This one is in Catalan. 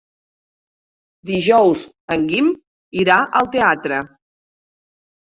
Dijous en Guim irà al teatre.